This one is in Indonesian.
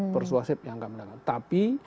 persuasif yang kami lakukan tapi